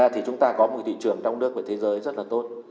thì chúng ta có một thị trường trong nước và thế giới rất là tốt